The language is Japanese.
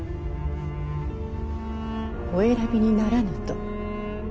お選びにならぬと。